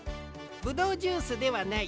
ブドウジュースではない。